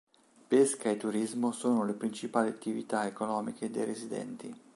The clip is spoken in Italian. Pesca e turismo sono le principali attività economiche dei residenti.